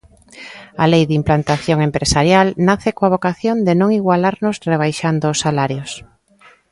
A Lei de implantación empresarial nace coa vocación de non igualarnos rebaixando os salarios.